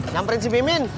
jamperin si mimin